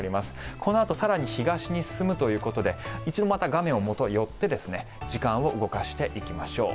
このあと更に東に進むということで一度また画面を寄って時間を動かしていきましょう。